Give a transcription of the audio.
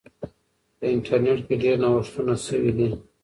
په انټرنیټ کې ډیر نوښتونه سوي دي.